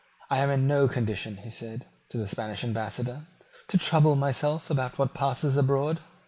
"I am in no condition," he said to the Spanish Ambassador, "to trouble myself about what passes abroad.